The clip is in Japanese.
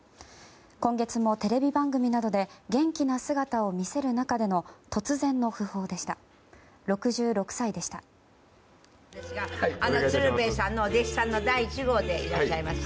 今月もテレビ番組などで元気な姿を見せる中での突然の訃報でした。